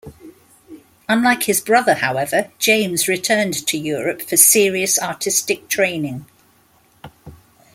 Unlike his brother, however, James returned to Europe for serious artistic training.